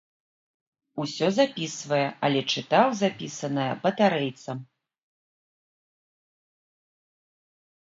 Усё запісвае, але чытаў запісанае батарэйцам.